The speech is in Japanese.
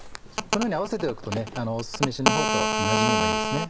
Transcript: このように合わせておくとね酢飯のほうとなじみもいいですね。